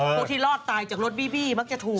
พวกที่รอดตายจากรถบีบี้มักจะถูก